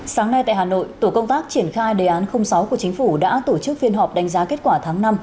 sáng nay tại hà nội tổ công tác triển khai đề án sáu của chính phủ đã tổ chức phiên họp đánh giá kết quả tháng năm